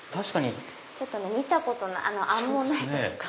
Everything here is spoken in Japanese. ちょっと見たことないアンモナイトとか。